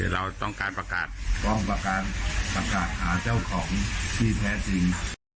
เราต้องการประกาศประกาศหาเจ้าของที่แท้จริง